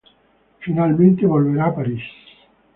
Finalmente volverá a París.